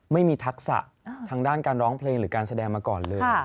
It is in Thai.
ทักษะทางด้านการร้องเพลงหรือการแสดงมาก่อนเลย